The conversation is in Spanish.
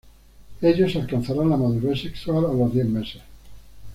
Ellos alcanzarán la madurez sexual a los diez meses.